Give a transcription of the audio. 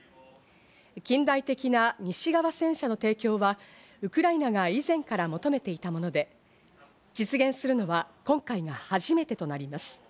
近代的な西側戦車の提供は、ウクライナが以前から求めていたもので、実現するのは今回が初めてとなります。